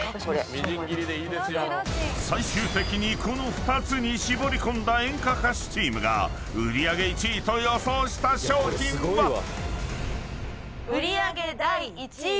［最終的にこの２つに絞り込んだ演歌歌手チームが売り上げ１位と予想した商品は⁉］